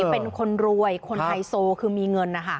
เป็นคนรวยคนไฮโซคือมีเงินนะคะ